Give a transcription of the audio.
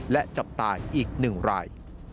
และจับตายอีก๑ราย